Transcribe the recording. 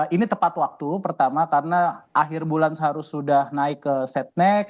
ini tepat waktu pertama karena akhir bulan seharusnya sudah naik ke setnek